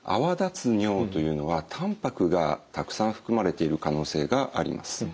尿というのはたんぱくがたくさん含まれている可能性があります。